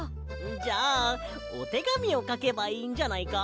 じゃあおてがみをかけばいいんじゃないか？